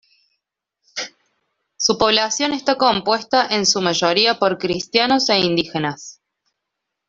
Su población está compuesta en su mayoría por cristianos e indígenas.